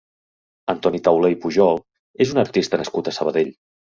Antoni Taulé i Pujol és un artista nascut a Sabadell.